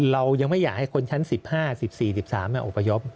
เรายังไม่อยากให้คนชั้น๑๕๑๔๑๓อพยพ